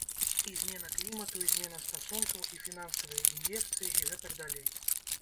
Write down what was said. І змена клімату, і змена стасункаў, і фінансавыя ін'екцыі, і гэтак далей.